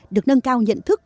được nâng cao nhận thức